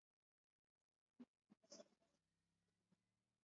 miili yao umeme Siyo samaki wakorofi kwa